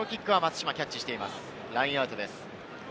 ラインアウトです。